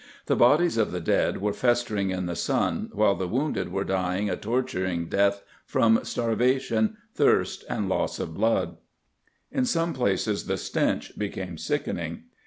The bodies of the dead were festering in the sun, while the wounded were dying a torturing death from starvation, thirst, and loss of blood. In some places the stench became sickening.